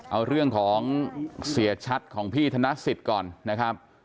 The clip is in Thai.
เอาเรื่องของเสียชัดของพี่ธนสิทธิ์ก่อนนะครับ